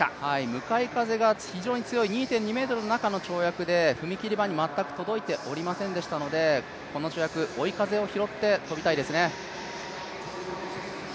向かい風が強い２．２メートルの中、踏み切り板に全く届いておりませんでしたのでこの跳躍、追い風を拾って跳びたいですね。